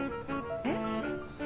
えっ？